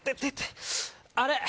あれ？